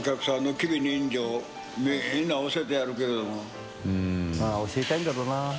市村）教えたいんだろうな。